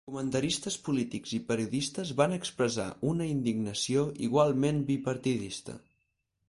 Comentaristes polítics i periodistes van expressar una indignació igualment bipartidista.